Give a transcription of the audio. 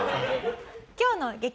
今日の激